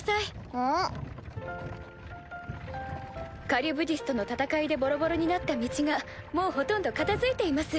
カリュブディスとの戦いでボロボロになった道がもうほとんど片付いています。